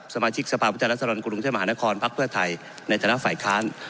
สมาชิกสภาพุทธรัศดรกรุงเทพมหานครพักเพื่อไทยในฐานะฝ่ายค้าน